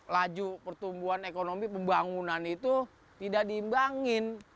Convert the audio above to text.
laju pertumbuhan ekonomi pembangunan itu tidak diimbangin